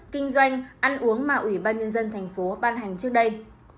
kinh doanh ăn uống mà ủy ban nhân dân tp hcm ban hành trước đây